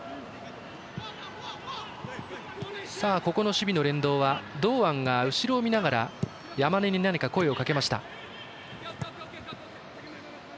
守備の連動は堂安が後ろを見ながら山根に何か声をかけました。